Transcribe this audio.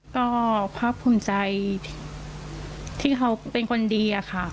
ก็ภาคภูมิใจที่เขาเป็นคนดีอะค่ะ